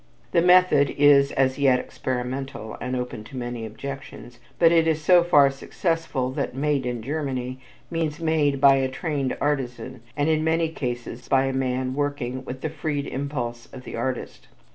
The method is as yet experimental, and open to many objections, but it is so far successful that "Made in Germany" means made by a trained artisan and in many cases by a man working with the freed impulse of the artist.